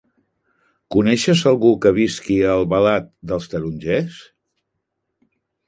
Coneixes algú que visqui a Albalat dels Tarongers?